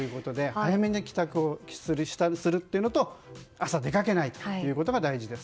早めに帰宅の支度をするというのと朝、出かけないということが大事です。